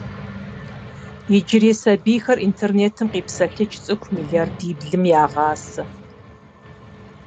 Иджырей сабийхэр интернетым къипсэлъыкӀ цӀыху мелардиблым ягъасэ.